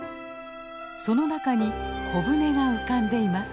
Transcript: その中に小舟が浮かんでいます。